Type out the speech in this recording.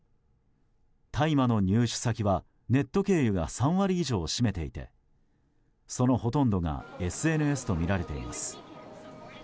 大麻の入手先は、ネット経由が３割以上を占めていてそのほとんどがＳＮＳとみられています。